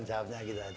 jawabnya gitu aja